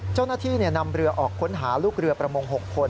เจ้าหน้าที่นำเรือออกค้นหาลูกเรือประมง๖คน